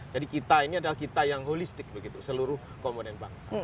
jadi kita ini adalah kita yang holistik begitu seluruh komponen bangsa